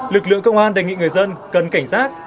lực lượng công an đề nghị người dân cần cảnh giác